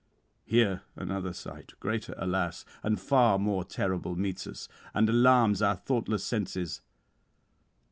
'Here another sight, greater, alas! and far more terrible meets us, and alarms our thoughtless senses.